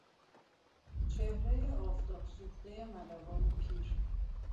چهرهی آفتاب سوختهی ملوان پیر